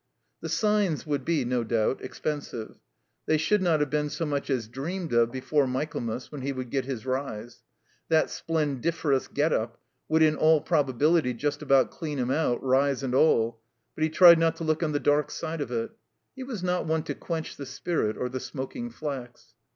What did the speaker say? The signs wotild be, no doubt, expensive; they should not have been so much as dreamed of before Michaelmas, when he would get his rise; that splendiferous get up would in all probability just about clean him out, rise and all; but he tried not to look on the dark side of it. He was not one to quench the spirit or the smoking flax.